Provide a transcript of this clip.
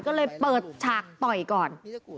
ก็เลยเปิดฉากต่อยก่อน